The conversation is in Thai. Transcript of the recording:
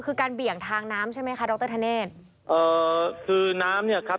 คือการเบี่ยงทางน้ำใช่ไหมคะดรธเนธเอ่อคือน้ำเนี่ยครับ